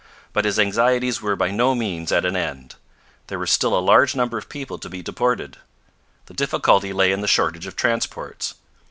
But his anxieties were by no means at an end. There were still a large number of people to be deported. The difficulty lay in the shortage of transports.